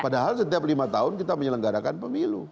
padahal setiap lima tahun kita menyelenggarakan pemilu